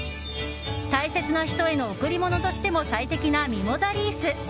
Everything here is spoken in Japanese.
大切な人への贈り物としても最適な、ミモザリース。